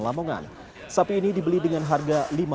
lamongan sapi ini dibeli dengan harga